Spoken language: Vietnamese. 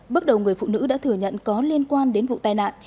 bước đầu người phụ nữ đã thừa nhận có liên quan đến vụ tai nạn